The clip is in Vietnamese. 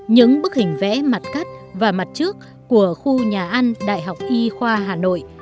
những bức hình vẽ mặt cắt và mặt trước của khu nhà ăn đại học y khoa hà nội